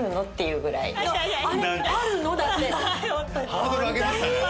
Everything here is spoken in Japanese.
ハードル上げましたね。